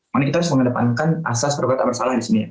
mana kita harus mengedepankan asas perkataan bersalah disini